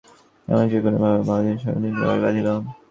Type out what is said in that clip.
এমনসময় company বাহাদুরের সহিত সিপাহিলোকের লড়াই বাধিল।